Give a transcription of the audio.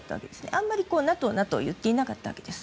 あまりＮＡＴＯ、ＮＡＴＯと言っていなかったわけです。